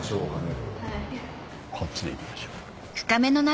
こっちでいきましょう。